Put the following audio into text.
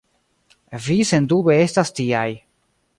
Vi sendube estas tiaj.